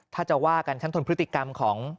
ถ้าจะว่ากันฉันทนพฤติกรรมของ